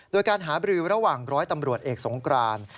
โดยการหาบรือระหว่างร้อยตำรวจเอกสงกราน